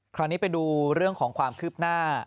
คราวนี้ไปดูเรื่องของความคืบหน้า